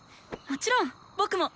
もちろん僕も。